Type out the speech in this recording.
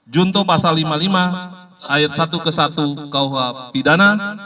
junto pasal lima puluh lima ayat satu ke satu kuh pidana